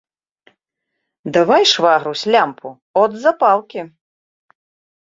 Давай, швагрусь, лямпу, от запалкі.